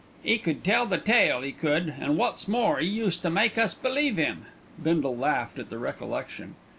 'E could tell the tale, 'e could, and wot's more, 'e used to make us believe 'im." Bindle laughed at the recollection.